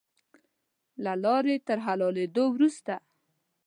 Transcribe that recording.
له لارې تر حلالېدلو وروسته.